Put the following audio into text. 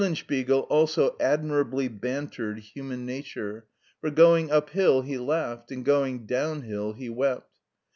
5). Eulenspiegel also admirably bantered human nature, for going uphill he laughed, and going downhill he wept.